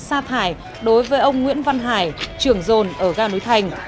xa thải đối với ông nguyễn văn hải trưởng dồn ở ga núi thành